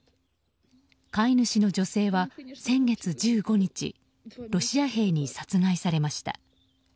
飼い主の女性は、先月１５日ロシア兵に殺害されました。